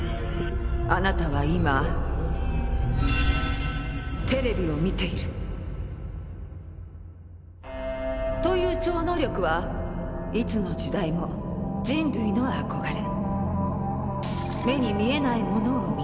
あなたは今テレビを見ている！という超能力はいつの時代も人類の憧れ。